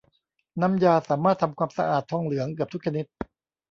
น้ำยาสามารถทำความสะอาดทองเหลืองเกือบทุกชนิด